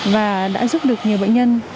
và đã giúp được nhiều bệnh nhân